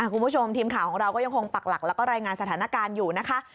คุณผู้ชมทีมข่าวของเราก็ยังคงปักหลักแล้วก็รายงานสถานการณ์อยู่นะคะ